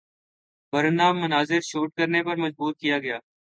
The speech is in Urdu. برہنہ مناظر شوٹ کرنے پر مجبور کیا گیا